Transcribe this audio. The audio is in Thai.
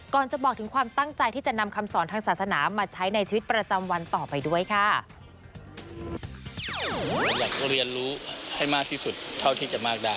จะบอกถึงความตั้งใจที่จะนำคำสอนทางศาสนามาใช้ในชีวิตประจำวันต่อไปด้วยค่ะ